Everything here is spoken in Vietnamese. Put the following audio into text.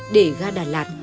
để ra đà lạt